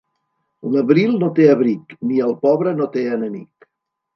L'abril no té abric, ni el pobre no té enemic.